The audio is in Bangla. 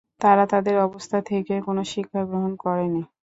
তারা তাদের অবস্থা থেকে কোন শিক্ষা গ্রহণ করেনি।